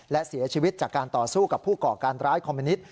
และเสียชีวิตจากการต่อสู้กับผู้ก่อการร้ายคอมมินิต